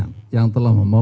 tkn dengan seluruh jajaran